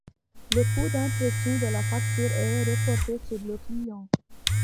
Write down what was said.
Le coût d'impression de la facture est reporté sur le client.